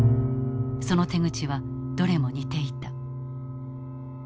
その手口はどれも似ていた。